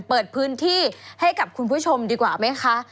เปิดพื้นที่ให้กับคุณผู้ชมดีกว่าไหมคะ